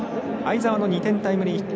會澤の２点タイムリーヒット。